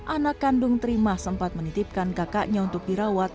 anak kandung terima sempat menitipkan kakaknya untuk dirawat